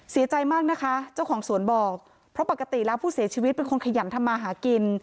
เสียใจมากนะคะเจ้าของสวนบอกเพราะปกติแล้วผู้เสียชีวิตเป็นคนขยันทำมาหากิน